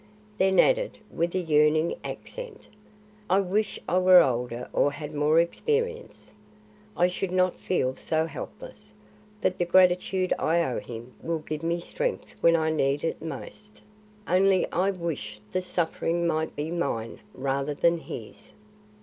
Then added, with a yearning accent, "I wish I were older or had more experience. I should not feel so helpless. But the gratitude I owe him will give me strength when I need it most. Only I wish the suffering might be mine rather than his."